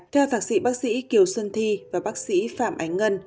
theo thạc sĩ bác sĩ kiều xuân thi và bác sĩ phạm ánh ngân